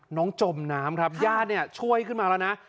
น้องจมน้ำครับญาติช่วยขึ้นมาแล้วนะ